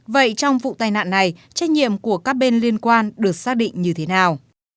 vậy trong vụ tai nạn này trách nhiệm của các bên liên quan được xác định như thế nào